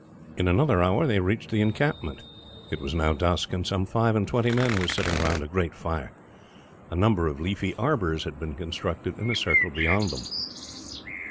In another hour, they reached the encampment. It was now dusk, and some five and twenty men were sitting round a great fire. A number of leafy arbours had been constructed in a circle beyond them.